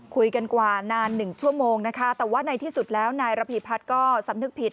คุยกันกว่านาน๑ชั่วโมงนะคะแต่ว่าในที่สุดแล้วนายระพีพัฒน์ก็สำนึกผิด